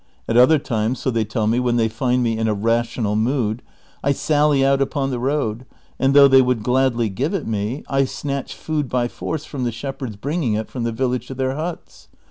At other times, so they tell me when they find me in a rational mood, I sally out upon the road, and though they would gladly give it me, I snatch food by force from the shepherds bringing it from the village to their huts.